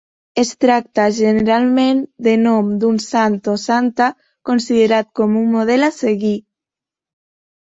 Es tracta, generalment, de nom d'un sant o santa considerat com un model a seguir.